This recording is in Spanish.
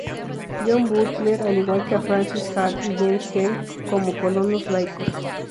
John Butler, al igual que a Francis Hall y James Kemp como colonos laicos.